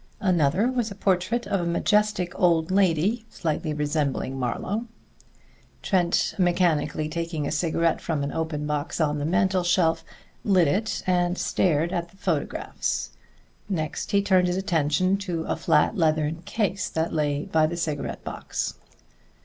Another was a portrait of a majestic old lady, slightly resembling Marlowe. Trent, mechanically taking a cigarette from an open box on the mantel shelf, lit it and stared at the photographs. Next he turned his attention to a flat leathern case that lay by the cigarette box.